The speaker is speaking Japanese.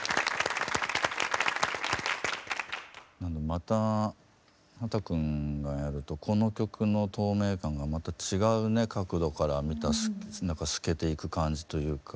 また秦くんがやるとこの曲の透明感がまた違うね角度から見た透けていく感じというか。